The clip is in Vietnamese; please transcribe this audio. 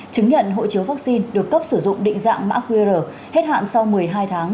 chứng nhận hộ chiếu vaccine được cấp sử dụng định dạng mã qr hết hạn sau một mươi hai tháng